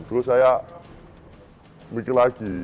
terus saya mikir lagi